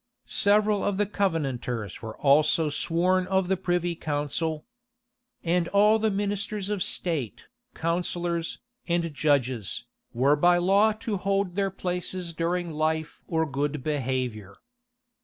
Several of the Covenanters were also sworn of the privy council. And all the ministers of state, counsellors, and judges, were by law to hold their places during life or good behavior.